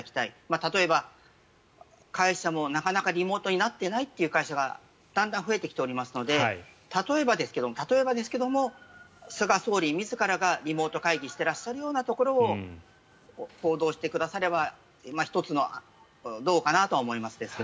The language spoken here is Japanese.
例えば、会社もなかなかリモートになっていないという会社がだんだん増えてきておりますので例えばですけども菅総理自らがリモート会議をしてらっしゃるようなところを報道してくださればどうかなと思いますが。